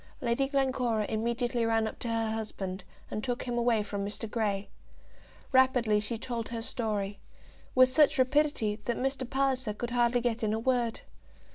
Lady Glencora immediately ran up to her husband, and took him away from Mr. Grey. Rapidly she told her story, with such rapidity that Mr. Palliser could hardly get in a word.